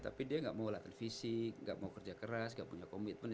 tapi dia gak mau latar fisik gak mau kerja keras gak punya komitmen